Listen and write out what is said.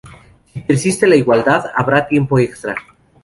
Si persiste la igualdad, habrá tiempo extra.